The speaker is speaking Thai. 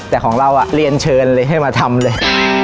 แต่ของเราเรียนเชิญเลยให้มาทำเลย